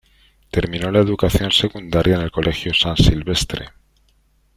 Terminó la educación secundaria en el Colegio San Silvestre.